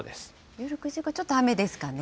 夜９時以降、ちょっと雨ですかね。